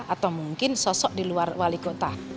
atau mungkin sosok di luar wali kota